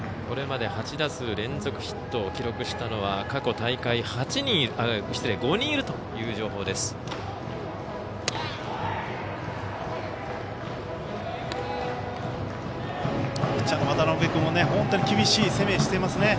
これまで８打数連続ヒットを記録したのは過去大会５人いるという情報です。